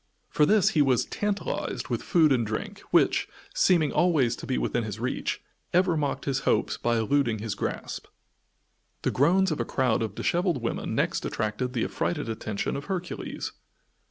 For this he was "tantalized" with food and drink, which, seeming always to be within his reach, ever mocked his hopes by eluding his grasp. The groans of a crowd of disheveled women next attracted the affrighted attention of Hercules.